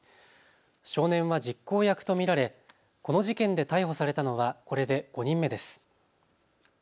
少年は実行役と見られこの事件で逮捕されたのはこれで５人目です。